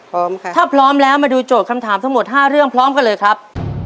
พร้อมค่ะถ้าพร้อมแล้วมาดูโจทย์คำถามทั้งหมด๕เรื่องพร้อมกันเลยครับ